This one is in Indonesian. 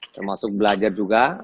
termasuk belajar juga